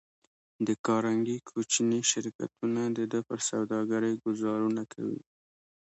د کارنګي کوچني شرکتونه د ده پر سوداګرۍ ګوزارونه کوي